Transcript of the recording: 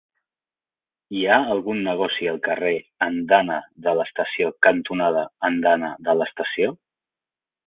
Hi ha algun negoci al carrer Andana de l'Estació cantonada Andana de l'Estació?